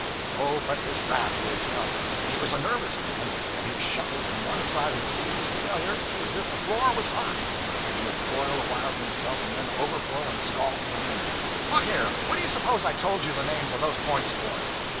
Oh, but his wrath was up! He was a nervous man, and he shuffled from one side of his wheel to the other as if the floor was hot. He would boil a while to himself, and then overflow and scald me again. 'Look here! What do you suppose I told you the names of those points for?'